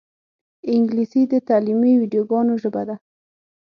انګلیسي د تعلیمي ویدیوګانو ژبه ده